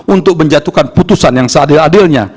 untuk menjatuhkan putusan yang seadil adilnya